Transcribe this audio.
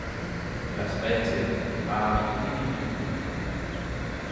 La specie ha abitudini diurne.